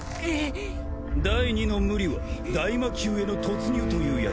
第２の無理は大魔宮への突入というやつだ。